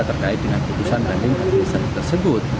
terkait dengan keputusan banding administratif tersebut